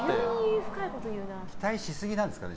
期待しすぎなんですかね。